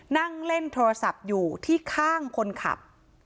นั่งเล่นโทรศัพท์อยู่ที่ข้างคนขับ